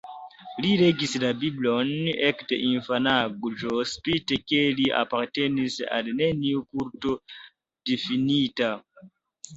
Li legis la Biblion ekde infanaĝo spite ke li apartenis al neniu kulto difinita.